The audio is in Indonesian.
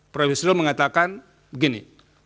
prof yusril mengatakan begini